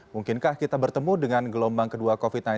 mungkinkah kita bertemu dengan gelombang kedua covid sembilan belas